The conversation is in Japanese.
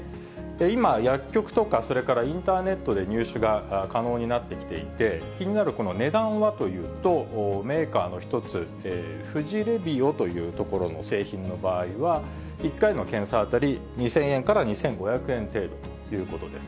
今、薬局とか、それからインターネットで入手が可能になってきていて、気になるこの値段はというと、メーカーの一つ、富士レビオという所の製品の場合は、１回の検査あたり、２０００円から２５００円程度ということです。